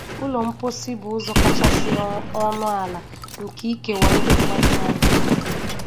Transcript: Ụlọ mposi bụ ụzọ kachasị ọnụ ala nke ịkewa ndị mmadụ na nsị.